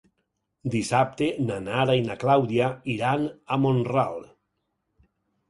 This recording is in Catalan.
Dissabte na Nara i na Clàudia iran a Mont-ral.